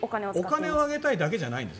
お金をあげたいだけじゃない。